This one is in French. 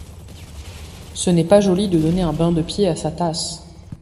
Ce n’est pas joli de donner un bain de pied à sa tasse.